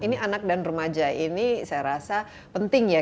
ini anak dan remaja ini saya rasa penting ya